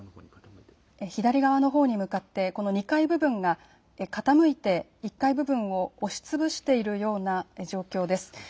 左側のほうに向かってこの２階部分が傾いて１階部分を押しつぶしているような状況です。